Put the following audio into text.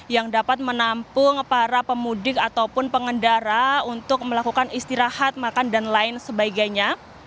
yang dapat menampung para pemudik ataupun pengendara untuk melakukan istirahat makan dan lain sebagainya